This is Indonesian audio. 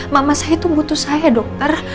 mama saya itu butuh saya dokter